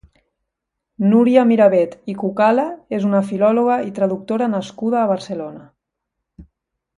Núria Mirabet i Cucala és una filóloga i traductora nascuda a Barcelona.